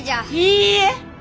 いいえ